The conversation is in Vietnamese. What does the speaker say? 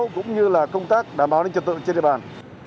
cũng như là công tác đảm bảo đến trật tự trên địa bàn